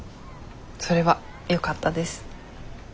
それはよかったです。